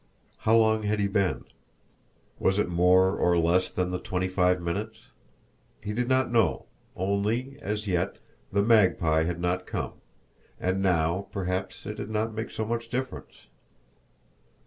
How long had he been? Was it more or less than the twenty five minutes? He did not know only, as yet, the Magpie had not come, and now perhaps it did not make so much difference.